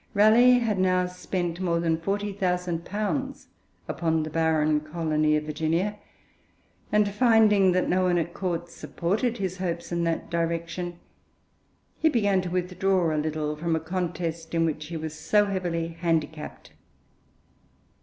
Raleigh had now spent more than forty thousand pounds upon the barren colony of Virginia, and, finding that no one at Court supported his hopes in that direction, he began to withdraw a little from a contest in which he was so heavily handicapped.